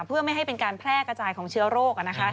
เพื่อไม่ให้เป็นการแพร่กระจายของเชื้อโรค